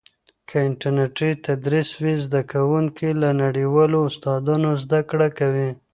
که انټرنېټي تدریس وي، زده کوونکي له نړیوالو استادانو زده کړه کوي.